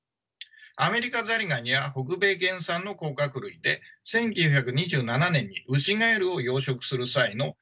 アメリカザリガニは北米原産の甲殻類で１９２７年にウシガエルを養殖する際の餌用に輸入されたとされます。